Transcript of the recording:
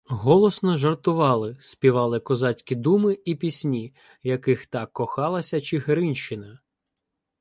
Голосно жартували, співали козацькі думи і пісні, в яких так кохалася Чигиринщина.